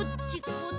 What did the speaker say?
こっち？